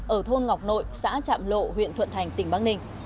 ở thôn ngọc nội xã trạm lộ huyện thuận thành tỉnh bắc ninh